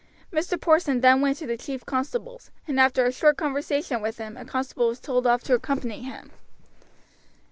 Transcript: Mr. Porson then went to the chief constable's, and after a short conversation with him a constable was told off to accompany him.